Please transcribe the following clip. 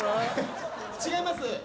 違います。